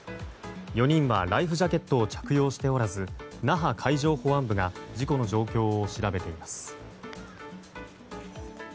４人はライフジャケットを着用しておらず那覇海上保安部が事故の状況を調べています。